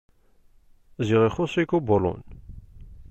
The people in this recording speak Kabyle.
Ziɣ ixuṣ-ik ubulun!